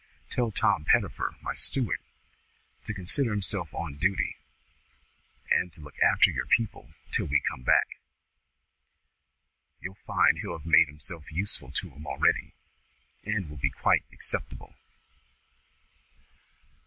Tell Tom Pettifer, my steward, to consider himself on duty, and to look after your people till we come back; you'll find he'll have made himself useful to 'em already, and will be quite acceptable."